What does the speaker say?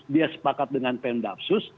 dia sepakat dengan pemdaksus